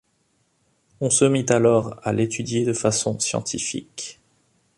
On se mit alors à l'étudier de façon scientifique.